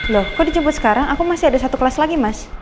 loh kok dijemput sekarang aku masih ada satu kelas lagi mas